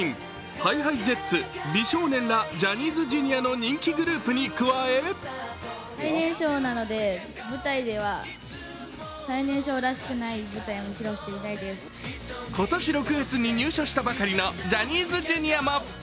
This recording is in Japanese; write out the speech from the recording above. ＨｉＨｉＪｅｔｓ美少年らジャニーズＪｒ．の人気グループに加え今年６月に入社したばかりのジャニーズＪｒ．も。